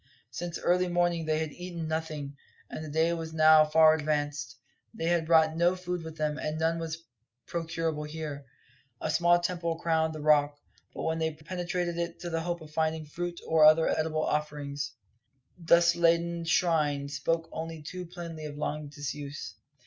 Since early morning they had eaten nothing, and the day was now far advanced; they had brought no food with them, and none was procurable here. A small temple crowned the Rock; but when they penetrated it in the hope of finding fruit or other edible offerings, its dustladen shrine spoke only too plainly of long disuse.